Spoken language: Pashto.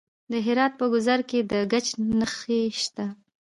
د هرات په ګذره کې د ګچ نښې شته.